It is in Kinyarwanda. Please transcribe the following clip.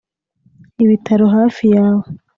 ibitaro hafi yawe